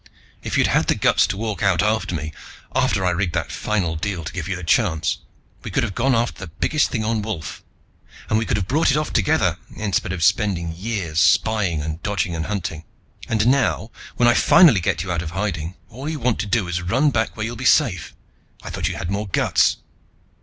If you'd had the guts to walk out after me, after I rigged that final deal to give you the chance, we could have gone after the biggest thing on Wolf. And we could have brought it off together, instead of spending years spying and dodging and hunting! And now, when I finally get you out of hiding, all you want to do is run back where you'll be safe! I thought you had more guts!"